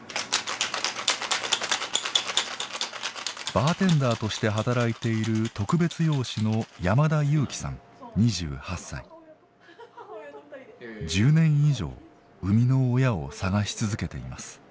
バーテンダーとして働いている１０年以上生みの親を探し続けています。